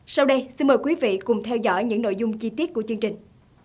sau đây xin mời quý vị cùng theo dõi những nội dung chi tiết của chương trình